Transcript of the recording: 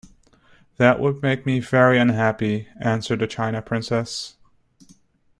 "That would make me very unhappy," answered the china princess.